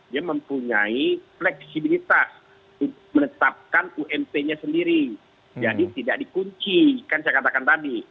dia mempunyai fleksibilitas menetapkan ump nya sendiri jadi tidak dikunci kan saya katakan tadi